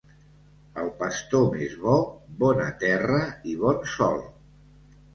El pastor més bo, bona terra i bon sol.